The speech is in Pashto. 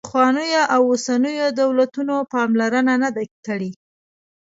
پخوانیو او اوسنیو دولتونو پاملرنه نه ده کړې.